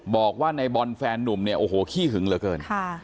บอกว่าในบอลแฟนนุ่มเนี่ยโอ้โหขี้หึงเหลือเกิน